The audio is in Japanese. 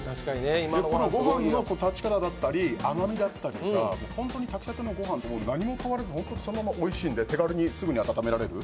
このごはんの立ち方だったり甘みだったりが本当に炊きたてのごはんと変わらず、おいしいので手軽にすぐに温められる。